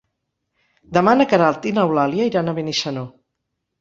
Demà na Queralt i n'Eulàlia iran a Benissanó.